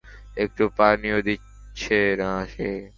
একটু পানিও দিচ্ছে না সে।